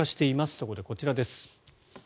そこでこちらです。